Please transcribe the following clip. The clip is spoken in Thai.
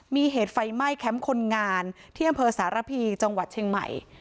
มีเหตุไฟไหม้แคมป์คนงานที่อำเภอสารพีจังหวัดเชียงใหม่